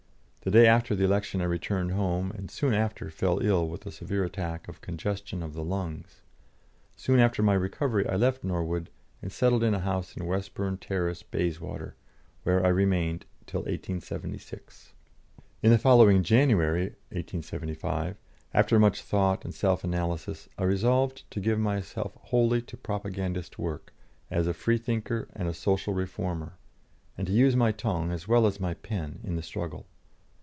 The day after the election I returned home, and soon after fell ill with a severe attack of congestion of the lungs. Soon after my recovery I left Norwood and settled in a house in Westbourne Terrace, Bayswater, where I remained till 1876. In the following January (1875), after much thought and self analysis, I resolved to give myself wholly to propagandist work, as a Freethinker and a Social Reformer, and to use my tongue as well as my pen in the struggle.